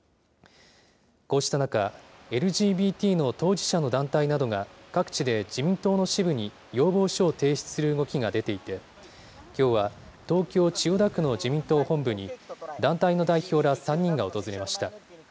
こうした中、ＬＧＢＴの当事者の団体などが、各地で自民党の支部に要望書を提出する動きが出ていて、きょうは、東京・千代田区の自民党本部に団体の代表ら３人が訪れました。